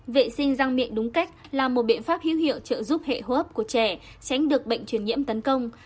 vệ sinh răng miệng đúng cách là một biện pháp hữu hiệu trợ giúp hệ hô hấp của trẻ tránh được bệnh truyền nhiễm tấn công